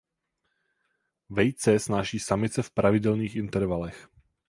Vejce snáší samice v pravidelných intervalech.